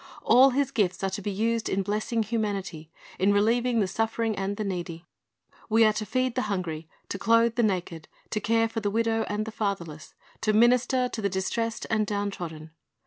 All His gifts are to be used in blessing humanity, in relieving l^he suffering and the needy. We are to feed the hungry, to clothe the naked, to care for the widow and the fatherless, to minister to the distressed and down trodden.